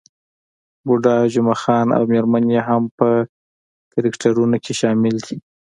بوډا جمعه خان او میرمن يې هم په کرکټرونو کې شامل دي.